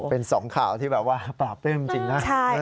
เป็นสองข่าวที่แบบว่าปราบปลื้มจริงนะ